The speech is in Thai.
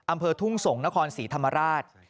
อำเภอทุ่งสงศ์นครศรีธรรมราช